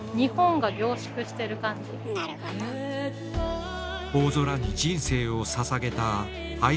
大空に人生をささげた相羽有さん。